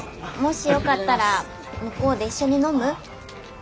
もしよかったら向こうで一緒に飲む？